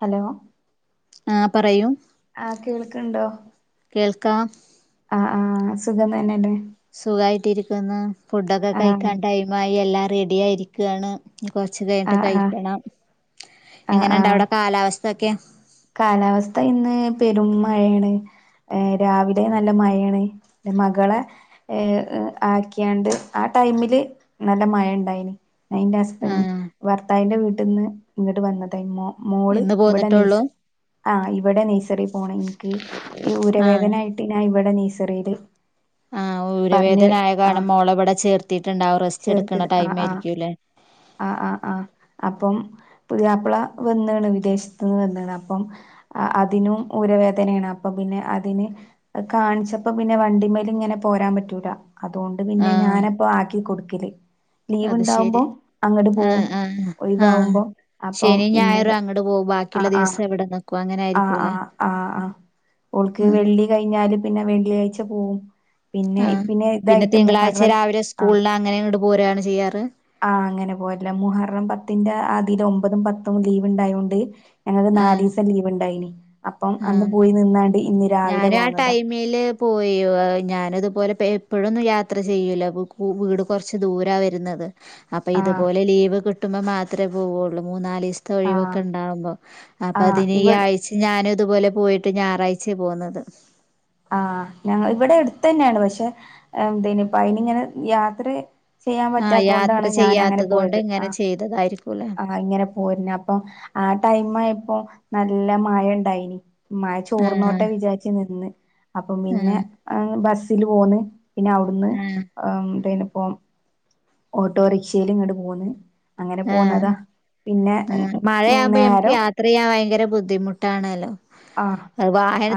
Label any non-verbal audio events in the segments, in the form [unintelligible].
Hello ആ പറയൂ ആഹ് കേൾക്കുണ്ടോ കേൾക്കാം ആഹ് ആഹ് സുഖംതെന്നെയല്ലേ സുഖായിട്ടിരിക്കുന്നു ഫുഡൊക്കെ ആഹ് കഴിക്കാൻ ടൈമായി എല്ലാം റെഡി ആയിരിക്കാണ് ഇനി കൊറച്ച് കഴിഞ്ഞിട്ട് ആഹ് ആഹ് കഴിക്കണം. ആഹ് എങ്ങനുണ്ട് ആഹ് അവിടെ കാലാവസ്ഥ ഒക്കെ കാലാവസ്ഥ ഇന്ന് പെരും മയേണ് രാവിലേ നല്ല മയയാണ് മകളെ ഏ ആക്കിയാണ്ട് ആ- ടൈമില് നല്ല മഴ ഇണ്ടായിന് എന്റെ ആ ഹസ്ബൻഡ് ഭർത്താവിന്റെ വീട്ട്ന്ന് ഇങ്ങട് വന്നതാ മോ മോള് ഇന്ന് ഇവിടെ പോന്നിട്ടുള്ളൂ നേഴ്സ്- ആഹ് ഇവിടെ നെയ്സറി പോണെ എനക്ക്‌ ഈ ആ ഉരവേദനായിട്ട്- ഇവിടെ നേയ്സറീല് ഉരവേദനായകാരണം മോളവിടെ ചേർത്തീട്ടുണ്ടാവും റസ്റ്റ് എടുക്കുന്ന ചേർത്തിയത് ആഹ് ടൈം ആഹ് ആയിരിക്കുംല്ലേ ആഹ് ആഹ് ആഹ് അപ്പം പുതിയാപ്പിള വന്നാണ് വിദേശത്ത്ന്ന്‌ വന്നാണ്പ്പ- പ്പം അതിനും ഉരവേദനെയാണ് അപ്പൊ പിന്നെ അതിന് കാണിച്ചപ്പോ പിന്നെ വണ്ടി - മേല്ങ്ങനെ പോരാൻ പറ്റൂല അതോണ്ട് ആ പിന്നെ ഞാനപ്പം ആക്കി കൊടുക്കല് അത് ലീവ്ണ്ടാവുമ്പോ ശരി അങ്ങട് ആ പോവും ആ ആ ഒഴിവാകുമ്പോ അപ്പം ശനിയും ഞായറും ഇന്നലെ- അങ്ങട് പോകും ബാക്കിയുള്ള ആഹ് ആഹ് ദിവസെവി - ആഹ് ആഹ് ആഹ് ഓൾക്ക് ആ വെള്ളി കഴിഞ്ഞാല്- പിന്നെ വെള്ളിയാഴ് പോവും പിന്നെ ആ പിന്നെ ഇതായിട്ട് തിങ്കളാഴ്ച മുഹറം രാവിലെ ആ സ്കൂളിന അങ്ങനെ ഇങ്ങ്ട് പോരാണ് ചെയ്യാറ് ആഹ് അങ്ങനെ പോരല്ല മുഹറം പത്തിന്റെ ൽ ഒമ്പതും പത്തും ലീവ് ഉണ്ടായൊണ്ട് ഞങ്ങക്ക് നാ ആഹ് ഉണ്ടായിനി ആഹ് നിന്നാണ്ട് ഇന്ന് രാവിലെ ഞാനും ആ പോന്നതാ ടൈമില് പോയീ ഞാനത് പോലെ എപ്പോഴൊന്നും യാത്ര ചെയ്യൂല്ല വീട് കുറച്ച് ദൂരാ വരുന്നത് അപ്പൊ ആഹ് ഇതുപോലെ ലീവ് കിട്ടുമ്പോ മാത്രമേ പോവുള്ളൂ മൂന്നാല് ആഹ് ഒഴിവൊക്കെ ഉണ്ടാവുമ്പോ അപ്പൊ ആഹ് അതിനി ഈ ഇവി ആഴ്ച ഞാന അതുപോലെ പോയിട്ട് ഞായറാഴ്ചെ പോന്നത്. ആഹ് ഞ ഇവിടെ അടുത്തുതന്നെയാണ് പക്ഷെ എന്തനിപ്പ അയിനി ഇങ്ങനെ യാത്ര ചെയ്യാൻ ആഹ് പറ്റാത്ത യാത്ര കൊണ്ടാണ് ഞാനങ്ങനെ ചെയ്യാത്തത് കൊണ്ട് പോയത് ആ. ഇങ്ങനെ ചെയ്തതായിരിക്കൂലേ ആഹ് ഇങ്ങനെ പോരുന്നെ അപ്പൊ ആ ടൈം ആയ പ്പൊ നല്ല മഴ ഉണ്ടായിനി മഴ ആഹ് ചോർന്നോട്ടെ വിചാരിച്ച് നിന്ന് അപ്പം പിന്നെ ആഹ് ബസ്സില് പോന്ന് പിന്നെ അവിടുന്ന് ആഹ് എന്തേനിപ്പോ. ഓട്ടോറിക്ഷേൽ ഇങ്ങ്ട്ട് പോന്നു അങ്ങനെ പോന്നതാ പിന്നെ ആ മഴയാകുമ്പോ നമക്ക് നേരം യാത്ര ചെയ്യാൻ ഭയങ്കര ബുദ്ധിമുട്ടാണല്ലോ. ആഹ്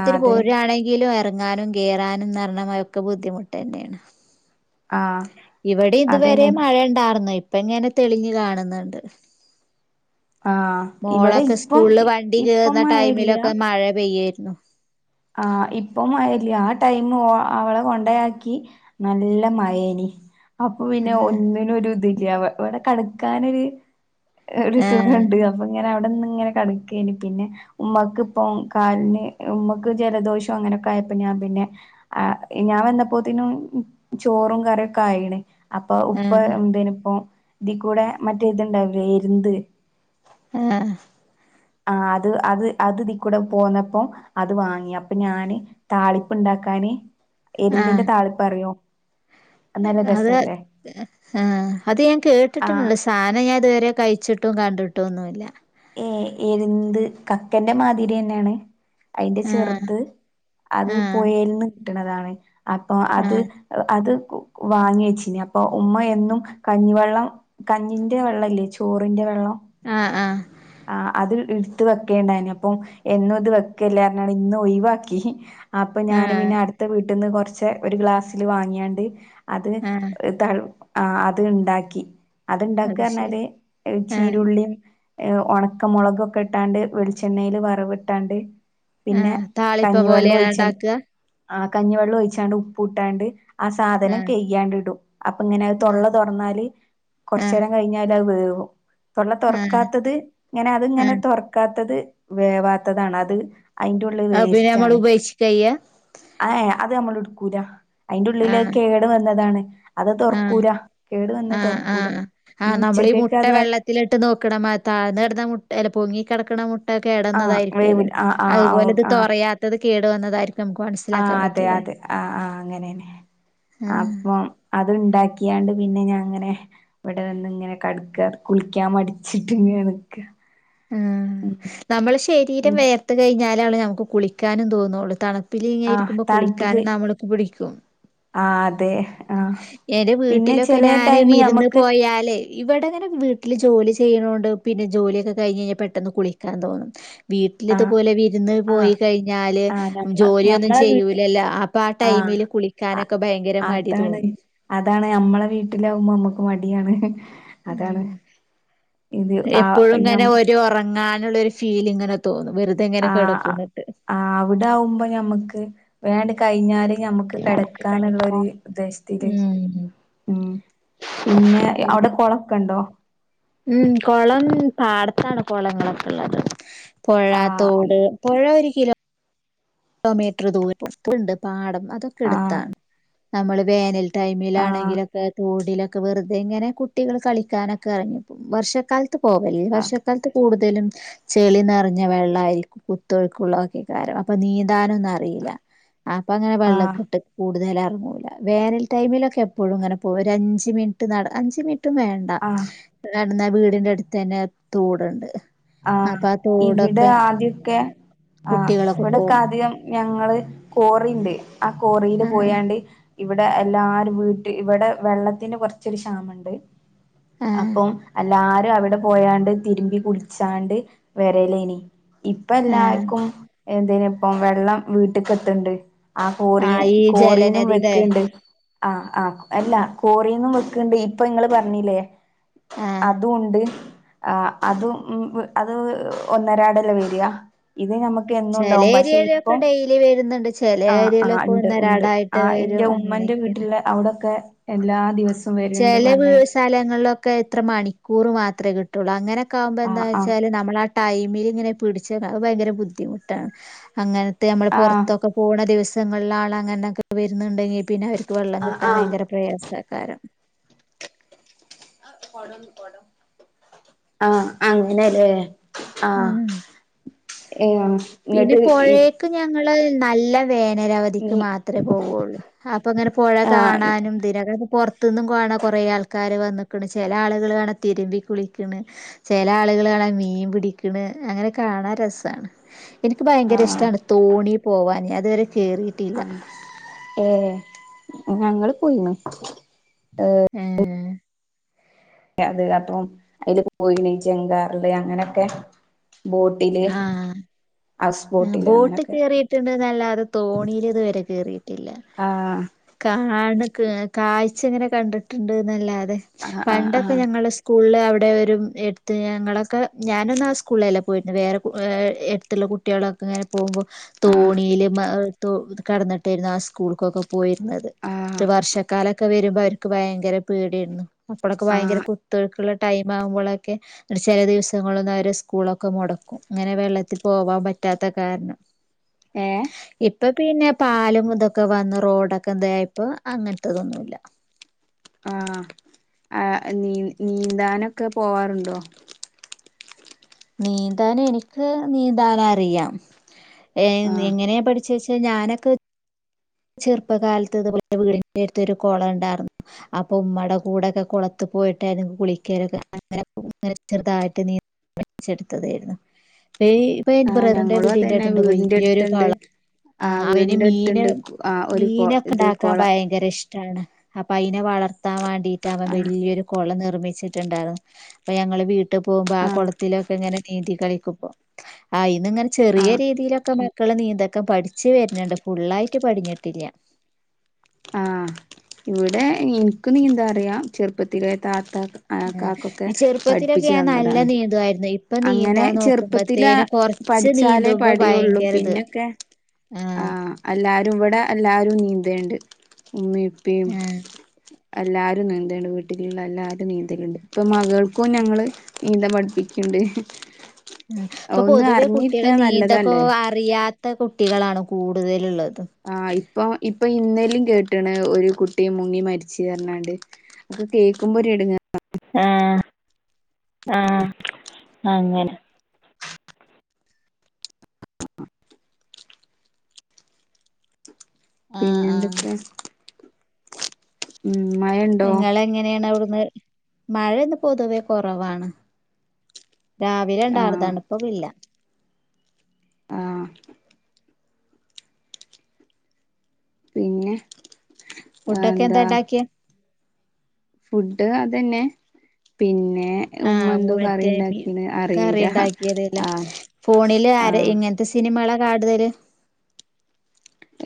ആഹ് അതെ പോരുവാണെങ്കിലും ഇറ ഇറങ്ങാനും കയറാനും ന്നാർ ണമായൊക്കെ ബുദ്ധിമുട്ടുന്നേണ് ആഹ് ഇവിടെ ഇതുവരെ അതന്നെ മഴ ഉണ്ടായിർന്നു ഇപ്പൊ ഇങ്ങനെ തെളിഞ്ഞു കാണുന്നുണ്ട് ആഹ് ഇവിടെ മോളൊക്കെ ഇപ്പം സ്കൂളില് വണ്ടി ഇപ്പം കേറുന്ന മഴ ഇല്ല ടൈമിലൊക്കെ മഴ പെയ്യായിരുന്നു ആഹ് ഇപ്പൊ മഴയില്ലാ ആ ടൈം അവളെ കൊണ്ടയാക്കി നല്ല മയേനി അപ്പൊ പിന്നെ ഒന്നിനും ഒരു ഇതില്ല ഇവിടെ കടക്കാനൊരു ഒരു സുഖം ആഹ് ഉണ്ട് അപ്പൊ ഇങ്ങനെ അ ഇങ്ങനെ കടക്കാനി പിന്നെ ഉമ്മാക്ക് ഇപ്പൊ കാലിന് ഉമ്മ ജലദോഷം അങ്ങനൊക്കെയപ്പോ ഞാൻ പിന്നെ ഞാൻ വന്നപ്പോത്തിനും ചോറും കറി ക്കായീണ് അപ്പൊ ഉപ്പ ആഹ് എന്തനിപ്പോ ഇതി കൂടെ മറ്റേതുണ്ടാവില്ലേ എരുന്ത് ആഹ് ആ അത് അത് ഇതിക്കൂടെ പോന്നപ്പോ അത് വാങ്ങ അപ്പൊ ഞാന് താളിപ്പ് ഉണ്ടാക്കാന് എരുന്തിന്റെ ആഹ് താളിപ്പ് അറിയോ നല്ല അത് രസല്ലേ ആ അത് ഞാൻ ആ കേട്ടിട്ട്ണ്ട് സാനം ഞാൻ ഇതുവരെ കഴിച്ചിട്ടു ഒട്ടും കണ്ടിട്ടും ഓന്നൂല്ല ഏ എരുന്ത് കക്കന്റെ മാതിരി ന്നെയാണ് അതിന്റെ ആഹ് ചെറുത് അത് ആഹ് പുയൽ നിന്ന് കിട്ടണതാണ് അപ്പൊ അത് ആഹ് അത് വാങ്ങി വച്ചിന് അപ്പൊ ഉമ്മ എന്നും കഞ്ഞിവെള്ളം കഞ്ഞിന്റെ വെള്ളല്ലേ ചോറിന്റെ വെള്ളം ആഹ ആഹ ആ അത് ഇടുത്ത് വെക്കേണ്ടായിന് അപ്പം എന്നും ഇത് വെക്കല്ലാരന ഇന്നു ഒഴിവാക്കി അപ്പൊ ഞാന് ആഹ് പിന്നെ അടുത്ത വീട്ടിന്ന് കുറച്ച ഒരു ഗ്ലാസ്സില് വാങ്ങിയാണ്ട് അത് ആഹ് ഇതാണ് ആ അത് ഇണ്ടാക്കി അത്ണ്ടാക്ക അത് ശരി അറഞ്ഞാല് ആഹ് ചീരുള്ളിയും. ഏ ഉണക്കമുളകൊക്കെ ഇട്ടാണ്ട് വെളിച്ചെണ്ണയില് വറവ് ഇട്ടാണ്ട് പിന്നെ ആഹ് താളിപ്പം കഞ്ഞിവെള്ളം പോലെയാണോ ഒഴിച്ചണ് ഇണ്ടാക്കാ ആ കഞ്ഞിവെള്ളം ഒഴിച്ചാണ്ട് ഉപ്പ് ഇട്ടാണ്ട് ആ സാധനം ആഹ് കൈയ്യാണ്ട് ഇടും അപ്പൊ ഇങ്ങനെ തൊള്ള ആഹ് തുറന്നാല് കുറച്ച ആഹ് നേരം കഴിഞ്ഞാൽ അത് വേവും തൊള്ള തൊറ ആഹ് ക്കാത്തത് ഇങ്ങനെ അത്ങ്ങനെ ആഹ് തുറക്കാത്തത് വേവാത്തതാണ് അത്. അതിന്റെ ഉള്ളത് അത് പിന്നെ നമ്മള് വേസ്റ്റ്ണ് ഉപേക്ഷിക്കയ്യ ആ അത് നമ്മൾ ഉടുക്കൂലാ അതിന്റെ ഉള്ളിൽ കേട് വന്നതാണ്. അത് ആഹ തുറക്കൂല കേട് വന്ന ആഹ് തുറക്കൂല ആഹ് ഇനി ആഹ് നമ്മൾ ഈ ഉച്ചക്കേക്ക് മുട്ട അത് വെള്ളത്തിലിട്ട് നോക്കണ മാ താഴന്നടാ മുട്ട അല്ല പൊങ്ങി കിടക്കണ മു ആ കേടന്നതായിരിക്കുമല്ലോ വേവില്ല ആ ആ ആ അതുപോലെ ഇത് ആ തോറയാത്തത് കേടുവന്നതായിരിക്കും ആ അതെ അതെ ആഹ ആഹ് അങ്ങനെന്നെ ആഹ് അപ്പം അ അത് ഉണ്ടാക്കിയാണ്ട് പിന്നെ ഞാൻങ്ങനെ ഇവിടെ വന്ന് ഇങ്ങനെ കടക്ക കുളിക്കാൻ മടിച്ചിട്ട്ങ്ങ ഓക്കെയാ ആ നമ്മള് ശരീരം ഉം വേർത്ത് കഴിഞ്ഞാലാള് നമുക്ക് കുളിക്കാനും തോന്നുള്ളൂ തണു ഉപ്പില ഇങ്ങെ ആഹ് ഇരിക്കുമ്പോ തണുപ്പില് കുളിക്കാനൻ നമ്മൾക്ക് ബിളിക്യോ ആഹ് അതെ ആഹ് എര് പിന്നെ വീട്ടിലൊക്കെ ചെലെ ഞാന് ടൈമ് വിരുന്ന് ഞമ്മക്ക് പോയാലെ ഇവിടെങ്ങനെ വീട്ടില് ജോലി ചെയ്യണോ പിന്നെ ജോലൊക്കെ കഴിഞ്ഞ്ഴിഞ്ഞാൽ പെട്ടന്ന് കുളിക്കാൻ തോന്നും വീട്ടില ആഹ് ഇതുപോലെ വിരുന്ന് പോയി ആഹ് കഴിഞ്ഞാല് ആഹ് ഞമ്മ ജോലിയൊന്നും ഞമ്മളെ വീട്ടി ചെയ്യൂലല്ല അപ്പൊ ആ ടൈമം യിൽ കുളിക്കാനൊക്കെ ഭയങ്കര മടി ആണ് തോന്നും. അതാണ് നമ്മളെ വീട്ടിലവുമ്പോ നമ്മക്ക് മടിയാണ് അതാണ് ഉം ഇത് ആ എപ്പോഴും ഞ്ഞം ഇങ്ങനെ ഒരു ഉറങ്ങാനുള്ളൊരു ഫീൽ ഇങ്ങനെ തോന്നും വെറുതെ ഇങ്ങനെ ആ കിടക്കുന്നിട്ട്. ആ് അവിടകുമ്പോ ഞമ്മക്ക് വേണ്ട കഴിഞ്ഞാല് നമ്മുക്ക് നമുക്ക് കിടക്കാന്നുള്ളരു കിടക്കാം ഉദ്ദേശത്തില് ഉം ഉം പിന്നെ അവിടെ കുളൊക്കെ ഉണ്ടോ ഉം കൊളം പാടത്താണ് കുളങ്ങളൊക്കെ ഉള്ളത് പുഴ ആ തോട് പുഴ ഒരു കിലോ കിലോമീറ്റർ ദൂരം ഉണ്ട് പാടം അതൊക്കെ ആ എടുത്താണ് നമ്മള് വേനൽ ആ ടൈമിലാണെങ്കിലൊക്കെ തോടിലൊക്കെ വെറുതെ ഇങ്ങനെ കുട്ടികൾ കളിക്കാനൊക്കെ ഇറങ്ങി വർഷക്കാല ത്തു പോവല് വർഷക്കാലത്ത് കൂടുത ലും ചെളി നിറഞ്ഞ വെള്ളമായിരിക്കും കുത്തൊഴുകുള്ളതൊക്കെ കാരണം അപ്പൊ നീ ന്താനൊ ഒന്നും അറിയില്ല അപ്പൊ അങ്ങനെ ആ വെള്ളകെട്ട് കൂടുതല വേനൽ ടൈമിലൊക്കെ എപ്പോഴും ഇങ്ങനെ പോ ഒരു അഞ്ച് മിനി നട അഞ്ച് മിനി ും വേണ്ട ആ കന്നാ വീടിന്റെ അടുത്ത് തന്നെ തൂടുണ്ട് ആഹ് ഇവിടെ ആദ്യൊക്കെ ആഹ് കുട്ടികളൊക്കെ ഇവിടെൊക്കെ പോവും ആദ്യം ഞങ്ങള് കോറിണ്ട് ആ കോറിയില് ആഹ് പോയാണ്ട് ഇവിടെ എല്ലാരും വീട്ടിൽ ഇവിടെ വെള്ളത്തിന് കൊറച്ചൊരു ക്ഷാമുണ്ട് ആഹ് അപ്പം എല്ലാരും അവിടെ പോയാണ്ട് തിരുമ്പി കുടി ഉച്ചാണ്ട് വരലനി ഇപ്പ ആഹ് എല്ലാക്കും എന്തേന് ഇപ്പം വെള്ളം വീട്ടക്ക എത്തണ്ട് ആ കോറിയ ആഹ് ഈ കോറിന്നും ജലനദിടെ വിക്കിനിണ്ട് ആഹ് ആഹ അല്ല കോറിന്നും വെക്കണ്ട് ഇപ്പൊ നിങ്ങള് പറഞ്ഞില്ലേ ആഹ് അതും ഉണ്ട് ആ അതും ഉ അത് ഒന്നരാടല്ലേ വരാ ഇത് നമുക്ക് എന്നും ചെല ഉണ്ടാവും പക്ഷെ ഏരിയയിലൊക്കെ ഇപ്പം ഡെയിലി വരുന്നുണ്ട് ചെല ആ ആ ഏരിയയിലൊക്കെ ഇണ്ട് ഇണ്ട് ആ ഒന്നരാടായിട്ട് എന്റെ വരും ഉമ്മന്റെ അങ്ങനെയൊക്കെയാണ് വീട്ടില അവിടൊക്കെ എല്ലാ ദിവസവും വര്ണ്ട് ചെല വി പറഞ്ഞേക്ക സ്ലങ്ങളിലൊക്കെ ഇത്ര മണിക്കൂർ മാത്രമേ കിട്ടുള്ളൂ അങ്ങനെ കുമ്പോ എന്താ ആഹ് ആഹ് വെച്ചാല് നമ്മള ആ ടൈമിൽ ഇങ്ങനെ പിടിച്ച ഭയങ്കര ബുദ്ധിമുട്ടാണ് അങ്ങനെ നമ്മൾ ആഹ് പുറത്തൊക്കെ പോണ ദിവസങ്ങളില ആൾ അങ്ങനെക്കെ വരുന്നുണ്ടെങ്കിൽ പിന്നെ അവർക്ക് വെള്ളം ആഹ് കിട്ടാൻ ആഹ് ഭയങ്കര പ്രയാസകാരം ആഹ അങ്ങനെല്ലേ ആഹ ഉം പിന്നെ പുഴേക്ക് ഞങ്ങള് നല്ല വേനരവധിക്ക് നീ മാത്രമേ പോവുള്ളൂ അപ്പൊ അങ്ങനെ പുഴ ആഹ് കാണാനും തിരകറ പു ത്തന്നും കാണ കുറേ ആൾക്കാർ വന്നക്കണ് ചില ആളുകൾ വേണം തിരുമ്പ കുളിക്കണ് ചില ആളുകൾ അ മീൻ പിടിക്കണ് അങ്ങനെ കാണാൻ രസണ് എനിക്ക് ഭയങ്കര ഇഷ്ടണ് ആഹ് തോണി പോവാൻ അതുവരെ കേറിയിട്ടില്ല ആ ഏ ഞങ്ങള് പോയിന്ന് ഉം അത് അപ്പം അതില് പോയിണ ചെങ്കാറല് അങ്ങനെയൊക്കെ [unintelligible] ആ ബോട്ടില് ബോട്ട് അങ്ങനൊക്കെ കേറിയിട്ടുണ്ട് എന്നല്ലാതെ തോണിൽ ഇതുവരെ കേറിയിട്ടില്ല. ആഹ് കാണ്കകാഴ് ചങ്ങനെ കണ്ട്ട്ട്ണ്ടന്നാല്ലാതെ ആഹ് ആഹ് ആഹ് പണ്ടക്കെഞ ങ്ങളെ സ്കൂള്ല് അവിടെ വരും എടുത്ത് ഞങ്ങളൊക്കെ ഞാനൊന്ന ആ സ്കൂളല്ല പോയി വേറെഏ എര്ത്തുള്ള കുട്ടിളൊക്കെ ഇങ്ങനെ പോകുമ്പോൾ ആഹ് തോണിയില് കടന്നിട്ടായിരുന്നു ആ സ്കൂൾക്കൊക്കെ പോയിരുന്നത് ആഹ് ഒരു വർഷകാല ഒക്കെ വരുമ്പോ അവർക്ക് ഭയങ്കര പേടിടുന്നു അപ്പോഴൊക്കെ ഭയങ്കര ആഹ് കുത്തൊഴുക് ൾ - ടൈം ആവുമ്പോഴൊക്കെ ചില ദിവസങ്ങളിലൊന്നും അവര് സ്കൂളൊക്കെ മൊടക്കും. അങ്ങനെ വെള്ളത്തിൽ പോവാൻ പറ്റാത്ത കാരണം. ഏഹ് ഇപ്പ - - പിന്നെ പാലും ഇതൊക്കെ വന്ന് റോഡൊക്കെ എന്ത ആയപ്പ അങ്ങനത്തെതൊന്നുല്ല. ആഹ ആ നീ നീന്താനൊക്കെ പോവാറുണ്ടോ? നീന്താൻ എനിക്ക് നീന്താൻ അറിയാം ഏ ആഹ് എങ്ങനെയാ പഠിച്ച വച്ച ഞാനൊക്കെ ചെറുപ്പകാലത്ത് ഇ വീടി ന്റെടുത് കുളം ഉണ്ടായിരുന്നു അപ്പൊ ഉമ്മടെ കൂടെക്കെ കൊളത്ത് പോയിട്ടായി കുളിക്കലൊക്കെ അങ്ങനങ്ങനെ ചെറതായിട്ട് നീ പടിച്ചെടുത്തതായിരുന്നു. ഇപ്പൊ എന്റെ ആഹ് ബ്രറിന്റെ ഞങ്ങളും വീടിന്റെ അതന്നെ ആട്ട്ണ്ട് വീടിന്റെ വലയരു അടുത്തുണ്ട് കളം ആ ആഹ് [unintelligible] അവന് വീടിന്റെ മീന് അടുത്തുണ്ട് ആഹ് ഒരു കൊ മീനൊക്കെ ഇത് ഇണ്ടാക്കാൻ കൊളം ഭയങ്കര ഇഷ്ടാണ്. അപ്പൊ അതിനെ വളർത്താൻ വേണ്ടീട്ടാ ആഹ് വല്യൊരു കൊള നി ർമിച്ചിട്ടുണ്ടായിരുന്നു അപ്പൊ ഞങ്ങള് വീട്ടിൽ പോകുമ്പോ ആ ആഹ് കുളത്തിലൊക്കെ ഇങ്ങനെ നീതി കളിക്ക ഇപ്പോ ആ ഇന്ന ഇങ്ങനെ ചെറിയ ആഹ് രീതിയിലൊക്കെ മക്കള് നീന്തക്കപഠിച്‌വര്ന്ന്ണ്ട് ഫുള്ളായിട്ട് പടിഞ്ഞിട്ടില്ല. ആഹ് ഇവിടെ ഇൻക്ക് നീന്താ അറിയാം ചെറുപ്പത്തിലെ താത്ത ആ കാക്കൊക്കെ ചെറുപ്പത്തിലൊക്കെ പഠിപ്പിച്ചു ഞാൻ നല്ല തന്നതാണ് നീന്തായിരുന്നു ഇപ്പൊ അങ്ങനെ നീന്താന്ന് ചെറുപ്പത്തില് നോക്കുമ്പോത്തേന് കൊറ റച്ച് പഠിച്ചാലേ നീന്തുമ്പോ പടിയുള്ളൂ ഭയങ്കര ഇത് പിന്നൊക്കെ ആഹ ആഹ് എല്ലാരും ഇവിടെ എല്ലാരും നീന്തൽണ്ട്. ഉമ്മി ആഹ് ഇപ്പിഎല്ലാരും നീന്തല്ണ്ട് വീട്ടിലുള്ള എല്ലാരും നീന്തലുണ്ട് ഇപ്പം മകൾ ക്ക ഞങ്ങള്ൾ നീന്ത പഠിപ്പിക്കണ്ട് ഉ ഇപ്പൊ ഒന്ന് പൊതുവെ അറിഞ്ഞിരിക്കണ കുട്ടികളെ നീന്തക്കെ നല്ലതല്ലേ അറിയാത്ത കുട്ടികളാണ് കൂടുതലുള്ളത്. ആ് ഇപ്പൊ ഇപ്പൊ ഇന്നേലും കേട്ട കേട്ട്ണ്ഒരു കുട്ടിയ മുങ്ങി മരിച്ച് അർഞ്ഞാണ്ട് ഒക്കെ കേൾക്കുമ്പോ ഒരു എടങ്ങ ആഹ ആഹ അങ്ങനെ ആഹ് പിന്നെ ആഹ് എന്തൊക്കെ? ഉം മഴണ്ടോ നിങ്ങളെ എങ്ങനെയാണ് അവിടുന്ന്. മഴൊന്ന് പൊതുവേ കൊറവാണ് രാവിലെ ആഹ് ഉണ്ടാറുതാണ്ഇപ്പഇല്ല. ആ പിന്നെ ഫുഡൊക്കെ എന്താ ഉണ്ടാക്കിയെ? ഫുഡ് അതന്നെ പിന്നെ - ആഹ് മറ്റേ കറി അറിയില്ല ഉണ്ടാക്കിയതലേ ആഹ് ഫോണില് ആര ആഹ് എങ്ങനത്തെ സിനിമകളാ കാടുതല്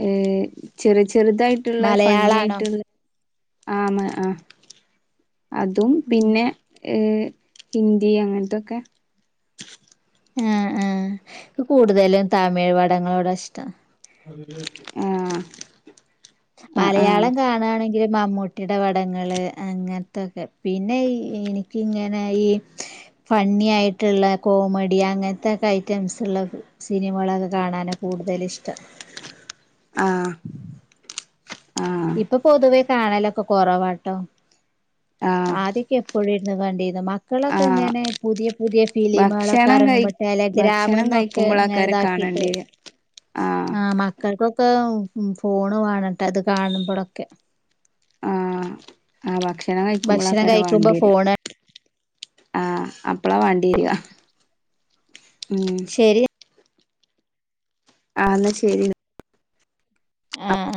ഏയ് ചെറിയ ചെറുതായിട്ടുള്ള ഫണ്ണി മലയാളാണോ ആായിട്ടുള്ള - ആമ ആഹ അതും പിന്നെ ഏ ഹിന്ദി അങ്ങനത്തൊക്കെ. ആ ആഹ കൂടുതലും തമിഴ് പടങ്ങളോട ഇഷ്ടം. ആ [inaudible] മലയാളം കാണാണെങ്കി മമ്മൂട്ടിയുടെ പടങ്ങള് അങ്ങനത്തൊക്കെ പിന്ന എനിക്കിങ്ങനെ ഈ ഫണ്ണി ആയിട്ടുള്ള കോമഡി അങ്ങനത്തൊക്കെ ഐറ്റംസ് ഉള്ള സിനിമകളൊക്കെ കാണാ കൂടുതൽ ഇഷ്ടം ആ ഇപ്പൊ പൊതുവേ കാണലൊക്കെ കുറവാട്ടോ ആഹ് ആദ്യൊക്കെ എപ്പോഴും ഇനുന്കണ്ടേവേണ്ടിത് [unintelligible] ഇങളൊക്കെ ആഹ് ഇങ്ങനെ പുതിയ പുതിയ ഫിലിമുകളൊക്കെ ഭക്ഷണം കഴി ഇറങ്ങുമ്പോഴേടെലഗ്രാമ്ന്നൊക്കെഅൻ ഗ്രാമിൽന്നൊക്കെ ഇങ്ങനെ ഇതാക്കി രണ്ട [unintelligible] ആഹ മക്കൾക്കൊക്കെ ഫോണ് വേണട്ടെ അത് കാണുമ്പോഴൊക്കെ ആഹ ആ ഭക്ഷണം കഴിക്കുമ്പോൾ ഭക്ഷണം ആയിരിക്കും വേണ്ടി കഴിക്കുമ്പോ വര ഫോണ് ആഹ അപ്പളാ വേണ്ടിവരുക ശരി ആന്നാ ശരി ആഹ ആഹ